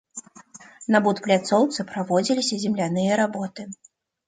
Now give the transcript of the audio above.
На будпляцоўцы праводзіліся земляныя работы.